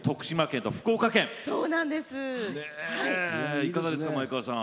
いかがですか前川さん。